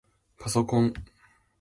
ぱそこん